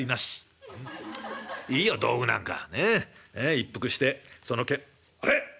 一服してそのあれ？